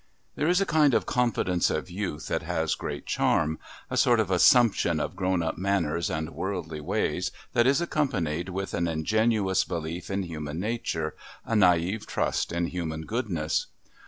There is a kind of confidence of youth that has great charm, a sort of assumption of grown up manners and worldly ways that is accompanied with an ingenuous belief in human nature, a naïve trust in human goodness.